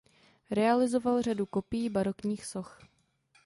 Realizoval řadu kopií barokních soch.